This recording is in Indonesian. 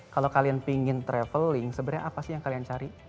kalau kalian ingin traveling sebenarnya apa sih yang kalian cari